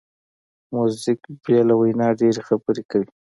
موزیک بې له وینا ډېری خبرې کوي.